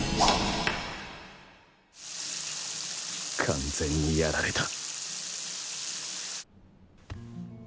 完全にやられた！